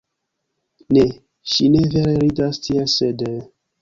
Ne, ŝi ne vere ridas tiel, sed...